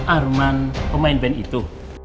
arman pemain band itu